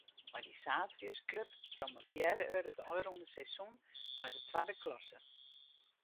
Mei dy saterdeisklup promovearre er it ôfrûne seizoen nei de twadde klasse.